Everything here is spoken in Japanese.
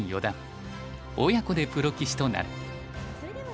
親子でプロ棋士となる。